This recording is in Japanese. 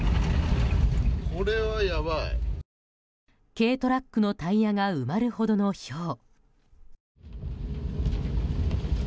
軽トラックのタイヤが埋まるほどの、ひょう。